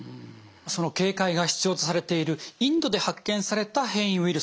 警戒が必要とされているインドで発見された変異ウイルス